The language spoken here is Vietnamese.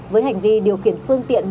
với hành vi điều khiển phương tiện